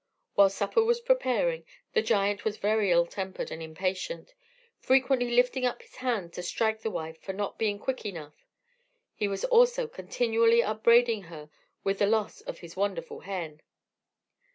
While supper was preparing, the giant was very ill tempered and impatient, frequently lifting up his hand to strike his wife for not being quick enough. He was also continually upbraiding her with the loss of his wonderful hen.